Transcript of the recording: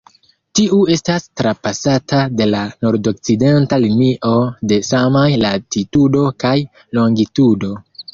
Tiu estas trapasata de la nordokcidenta linio de samaj latitudo kaj longitudo.